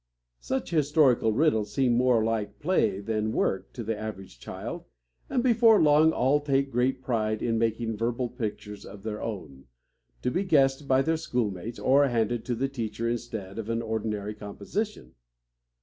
Such historical riddles seem more like play than work to the average child, and before long all take great pride in making verbal pictures of their own, to be guessed by their schoolmates, or handed to the teacher instead of an ordinary composition.